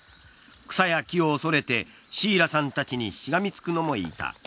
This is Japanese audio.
草や木を恐れてシーラさんたちにしがみつくのもいた。